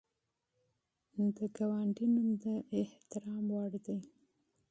د ګاونډي نوم د احترام وړ دی